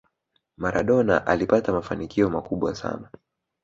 maradona alipata mafanikio makubwa sana